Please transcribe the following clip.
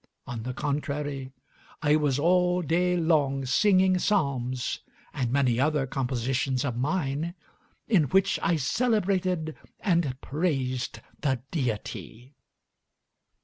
On the contrary, I was all day long singing psalms and many other compositions of mine, in which I celebrated and praised the Deity."